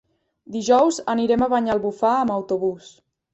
Dijous anirem a Banyalbufar amb autobús.